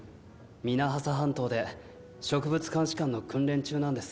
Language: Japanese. ミナハサ半島で植物監視官の訓練中なんです。